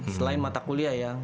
selain mata kuliah ya